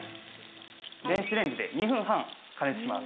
電子レンジで２分半加熱します。